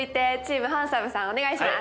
お願いします